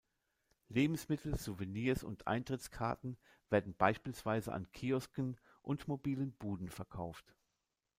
Lebensmittel, Souvenirs und Eintrittskarten werden beispielsweise an Kiosken und mobilen Buden verkauft.